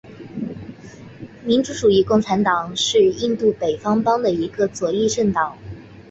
民族主义共产党是印度北方邦的一个左翼政党。